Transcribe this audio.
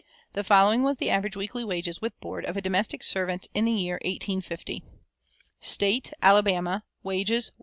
The following was the average weekly wages (with board) of a domestic servant in the year 1850: States. Wages.